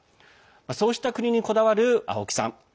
そうした国にこだわる青木さん。